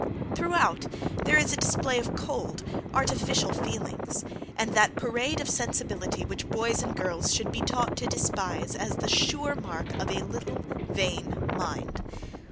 Throughout there is a display of cold, artificial feelings, and that parade of sensibility which boys and girls should be taught to despise as the sure mark of a little vain mind.